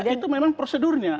nah itu memang prosedurnya